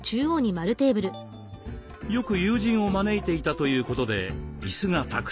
よく友人を招いていたということでイスがたくさん。